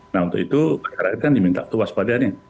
nah untuk itu para rakyat kan diminta kewaspadaan